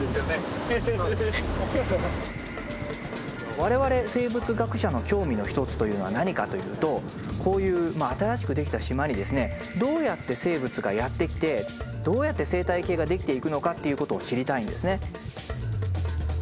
我々生物学者の興味の一つというのは何かというとこういう新しくできた島にですねどうやって生物がやって来てどうやって生態系ができていくのかっていうことを知りたいんですね。